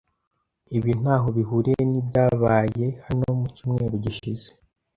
Ibi ntaho bihuriye nibyabaye hano mucyumweru gishize.